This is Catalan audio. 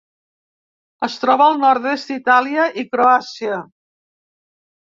Es troba al nord-est d'Itàlia i Croàcia.